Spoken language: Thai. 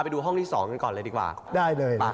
ที่สุดที่สุดที่สุดที่สุด